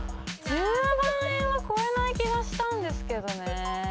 １０万円は超えない気がしたんですけどね。